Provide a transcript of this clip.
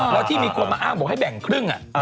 แล้วที่มีคนมาอ้างบอกให้แบ่งครึ่ง